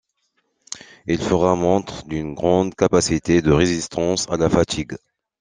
Il fera montre d’une grande capacité de résistance à la fatigue.